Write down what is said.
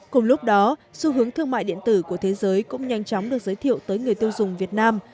cùng lúc đó xu hướng thương mại điện tử của thế giới cũng nhanh chóng được giới thiệu tới người tiêu dùng việt nam